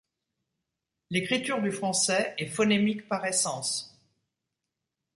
L'écriture du français est phonémique par essence.